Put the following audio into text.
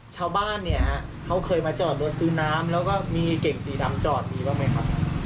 ชาวบ้านเนี่ยฮะเขาเคยมาจอดรถซื้อน้ำแล้วก็มีเก่งสีดำจอดมีบ้างไหมครับ